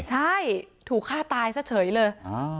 ใช่ถูกฆ่าตายซะเฉยเลย